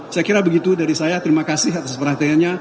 saya kira begitu dari saya terima kasih atas perhatiannya